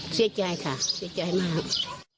เสียใจไหมครับเสียใจค่ะเสียใจมาก